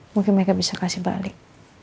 mungkin mereka bisa kasih balik